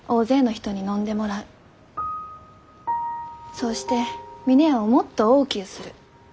そうして峰屋をもっと大きゅうする。